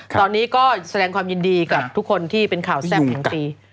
ตอนนี้ก็แสดงความยินดีกับทุกคนที่เป็นข่าวแซ่บแห่งปี